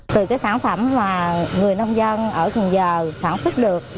từ cái sản phẩm mà người nông dân ở cần giờ sản xuất được